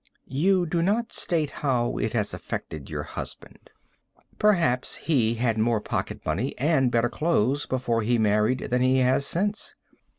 You do not state how it has affected your husband. Perhaps he had more pocket money and better clothes before he married than he has since.